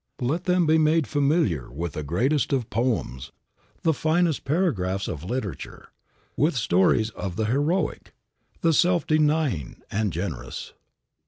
Let them be made familiar with the greatest of poems, the finest paragraphs of literature, with stories of the heroic, the self denying and generous.